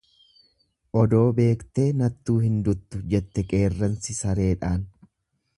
Odoo beektee nattuu hin duttu jedhe Qeerransi sareedhaan.